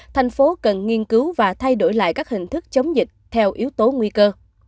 thành phố cần nghiên cứu và thay đổi lại các hình thức chống dịch theo yếu tố nguy cơ